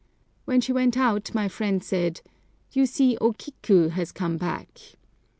When she went out my friend said, "You see O Kiku has come back."